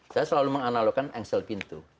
saya selalu menganalogkan engsel pintu